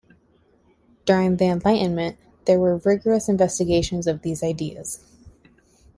During the Enlightenment, there was rigorous investigation of these ideas.